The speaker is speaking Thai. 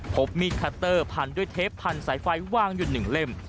พบมีดคัตเตอร์พันด้วยเทปพันสายไฟวางอยู่๑เล่ม